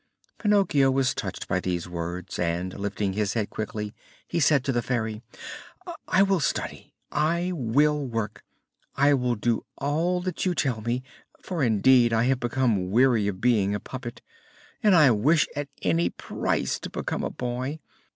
Pinocchio was touched by these words and, lifting his head quickly, he said to the Fairy: "I will study, I will work, I will do all that you tell me, for indeed I have become weary of being a puppet, and I wish at any price to become a boy.